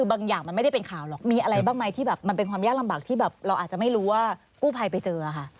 บางอย่างมันไม่ได้เป็นข่าวหรอกมีอะไรบ้างไหมที่แบบมันเป็นความยากลำบากที่แบบเราอาจจะไม่รู้ว่ากู้ภัยไปเจอค่ะ